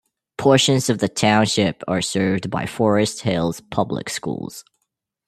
Portions of the township are served by Forest Hills Public Schools.